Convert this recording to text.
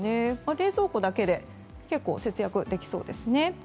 冷蔵庫だけで結構節約できそうですね。